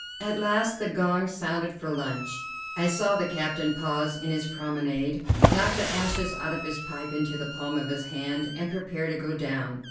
At last the gong sounded for lunch. I saw the captain pause in his promenade, knock the ashes out of his pipe into the palm of his hand, and prepare to go down.